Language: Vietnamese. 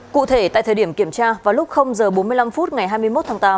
cụ thể tại thời điểm kiểm tra vào lúc h bốn mươi năm phút ngày hai mươi một tháng tám